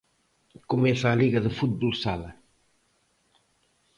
Comeza a Liga de fútbol sala.